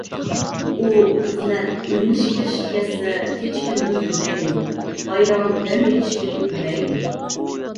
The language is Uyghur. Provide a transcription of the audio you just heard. ئۇ خىزمەت، ئۆگىنىشكە كىرىشىپ كەتسە كېچە-كۈندۈز دېمەيدۇ؛ بايرام، دەم ئېلىش كۈنى دېمەيدۇ.